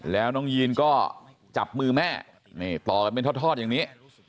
แล้วน้องยีนก็จับมือแม่นี่ต่อกันเป็นทอดอย่างนี้